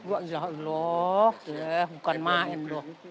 ya allah bukan main loh